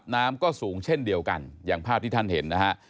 น้ำก็สูงเช่นเดียวกันอย่างภาพที่ท่านเห็นนะฮะ